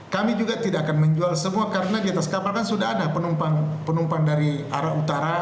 kami juga tidak akan menjual semua karena di atas kapal kan sudah ada penumpang penumpang dari arah utara